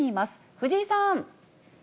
藤井さん。